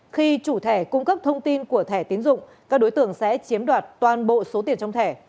khi chủ thẻ cung cấp thông tin của thẻ tiến dụng các đối tượng sẽ chiếm đoạt toàn bộ số tiền trong thẻ